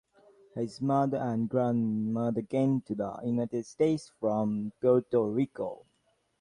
His mother and grandmother came to the United States from Puerto Rico.